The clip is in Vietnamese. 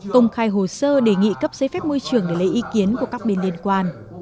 công khai hồ sơ đề nghị cấp giấy phép môi trường để lấy ý kiến của các bên liên quan